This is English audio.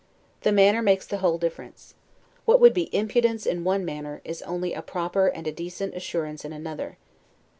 The manner makes the whole difference. What would be impudence in one manner, is only a proper and decent assurance in another.